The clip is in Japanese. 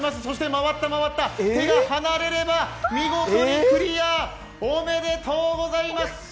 そして回った、回った、手が離れれば見事にクリア、おめでとうございます！